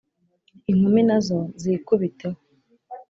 inkumi nazo zikubiteho